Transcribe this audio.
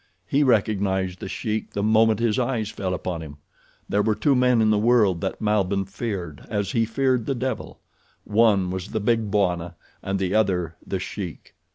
He recognized The Sheik the moment his eyes fell upon him. There were two men in the world that Malbihn feared as he feared the devil. One was the Big Bwana and the other The Sheik.